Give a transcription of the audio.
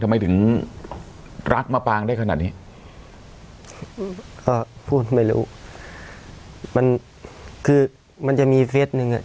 ทำไมถึงรักมะปางได้ขนาดนี้ก็พูดไม่รู้มันคือมันจะมีเฟสหนึ่งอ่ะ